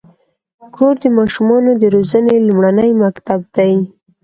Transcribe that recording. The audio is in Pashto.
کور د ماشومانو د روزنې لومړنی مکتب دی.